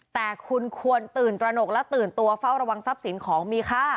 แต่คุณควรตื่นตระหนกและตื่นตัวเฝ้าระวังทรัพย์สินของมีค่า